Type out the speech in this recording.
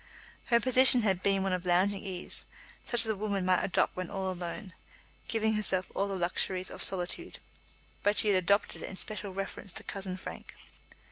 Her position had been one of lounging ease, such as a woman might adopt when all alone, giving herself all the luxuries of solitude; but she had adopted it in special reference to cousin Frank.